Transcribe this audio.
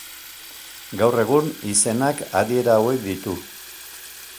Gaur egun, izenak adiera hauek ditu.